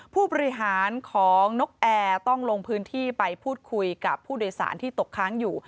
ผู้บริหารของนกแอร์ต้องลงพื้นที่ไปพูดคุยกับผู้โดยสารที่ตกค้างอยู่